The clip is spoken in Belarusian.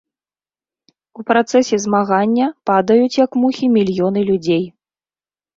У працэсе змагання падаюць, як мухі, мільёны людзей.